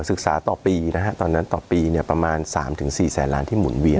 ศึกษาต่อปีนะฮะตอนนั้นต่อปีเนี่ยประมาณสามถึงสี่แสนล้านที่หมุนเวียน